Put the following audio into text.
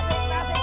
ibu tasik tasik